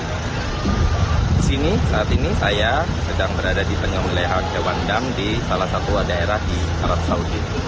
di sini saat ini saya sedang berada di tengah wilayah wandam di salah satu daerah di arab saudi